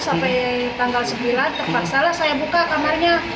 sampai tanggal sembilan terpaksalah saya buka kamarnya